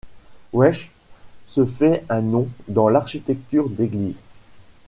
Wechs se fait un nom dans l'architecture d'église.